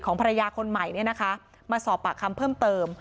ภรรยาคนใหม่เนี่ยนะคะมาสอบปากคำเพิ่มเติม